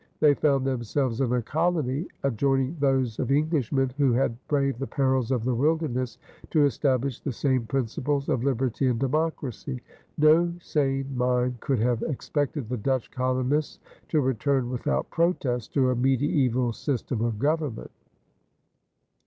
They found themselves in a colony adjoining those of Englishmen who had braved the perils of the wilderness to establish the same principles of liberty and democracy. No sane mind could have expected the Dutch colonists to return without protest to a medieval system of government.